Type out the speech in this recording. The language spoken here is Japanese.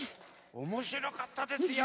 おもしろかったですよ。